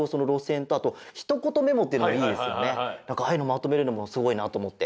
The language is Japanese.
なんかああいうのまとめるのもすごいなとおもって。